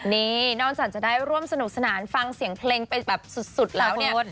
นี่นอกจากจะได้ร่วมสนุกสนานฟังเสียงเพลงเป็นแบบสุดแล้วเนี่ย